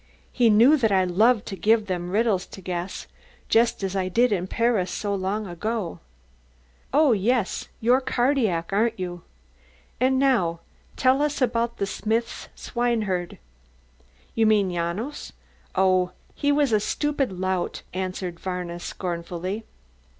He knew that I loved to give them riddles to guess, just as I did in Paris so long ago." "Oh, yes, you're Cardillac, aren't you? And now tell us about the smith's swineherd." "You mean Janos? Oh, he was a stupid lout," answered Varna scornfully.